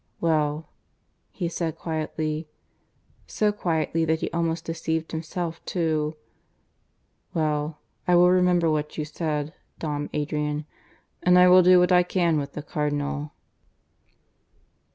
"Well," he said quietly so quietly that he almost deceived himself too, "well, I will remember what you say, Dom Adrian, and I will do what I can with the Cardinal."